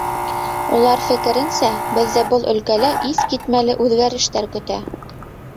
Улар фекеренсә, беҙҙе был өлкәлә иҫ китмәле үҙгәрештәр көтә.